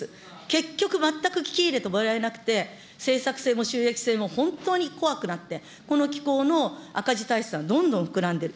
結局、全く聞き入れてもらえなくて、政策性も収益性も本当に怖くなって、この機構の赤字体質はどんどん膨らんでる。